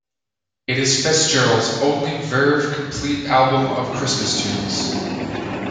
It is Fitzgerald's only Verve complete album of Christmas tunes.